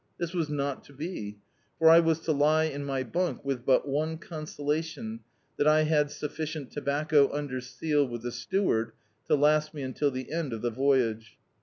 This was not to be; for I was to lie in my bunk with but one consolation — that I had sufficient to* bacco under seal with the steward to last me until the cod of the voyage.